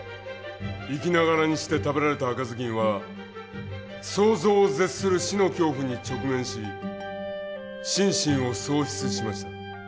生きながらにして食べられた赤ずきんは想像を絶する死の恐怖に直面し身心を喪失しました。